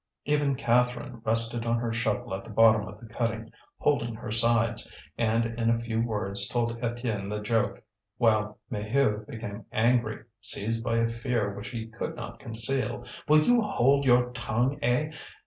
Even Catherine rested on her shovel at the bottom of the cutting, holding her sides, and in a few words told Étienne the joke; while Maheu became angry, seized by a fear which he could not conceal. "Will you hold your tongue, eh?